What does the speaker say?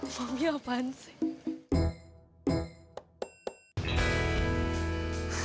mamih apaan sih